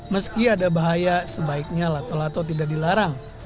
meski ada bahaya sebaiknya lato lato tidak dilarang